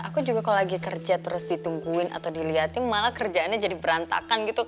aku juga kalau lagi kerja terus ditungguin atau dilihatin malah kerjaannya jadi berantakan gitu